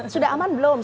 sudah aman belum